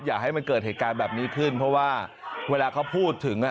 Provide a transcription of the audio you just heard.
อย่าให้มันเกิดเหตุการณ์แบบนี้ขึ้นเพราะว่าเวลาเขาพูดถึง